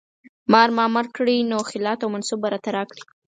مار ما مړ کړی نو خلعت او منصب به راته راکړي.